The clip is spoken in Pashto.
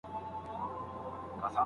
دا مجسمه اوس د هغه سړي د ذکاوت نښه ده.